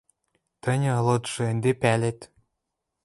Тӹньӹ, лыдшы, ӹнде пӓлет